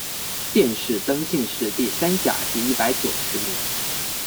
殿试登进士第三甲第一百九十名。